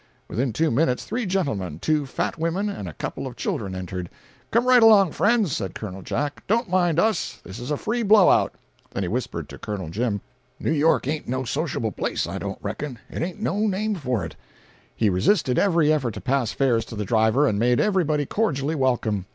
Within two minutes, three gentlemen, two fat women, and a couple of children, entered. "Come right along, friends," said Col. Jack; "don't mind us. This is a free blow out." Then he whispered to Col. Jim, "New York ain't no sociable place, I don't reckon—it ain't no name for it!" He resisted every effort to pass fares to the driver, and made everybody cordially welcome.